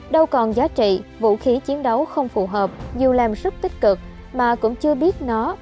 đâu còn giá trị vũ khí chiến đấu không phù hợp dù làm rất tích cực mà cũng chưa biết nó